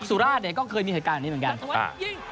สุราชเนี่ยก็เคยมีเหตุการณ์แบบนี้เหมือนกัน